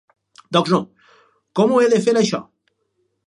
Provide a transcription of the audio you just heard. Doncs no, com ho he de fer això?